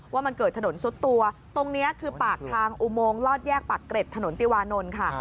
ว่ามันเกิดถนนซุดตัวตรงนี้คือปากทางอุโมงลอดแยกปากเกร็ดถนนติวานนท์ค่ะ